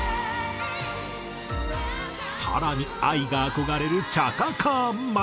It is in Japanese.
更にＡＩが憧れるチャカ・カーンまで。